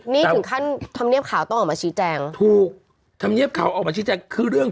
มีคนทำเงิบข่าวต้องเอามาใช้แจ้ง